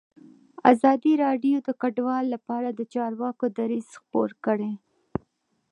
ازادي راډیو د کډوال لپاره د چارواکو دریځ خپور کړی.